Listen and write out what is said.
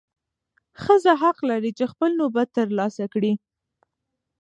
ښځه حق لري چې خپل نوبت ترلاسه کړي.